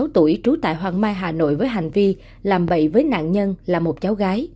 sáu mươi tuổi trú tại hoàng mai hà nội với hành vi làm bậy với nạn nhân là một cháu gái